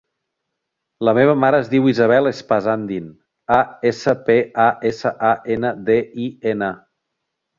La meva mare es diu Isabel Espasandin: e, essa, pe, a, essa, a, ena, de, i, ena.